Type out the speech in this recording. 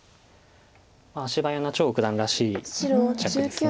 足早な張九段らしい一着です。